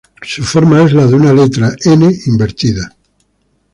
Su forma es la de una letra "N" invertida.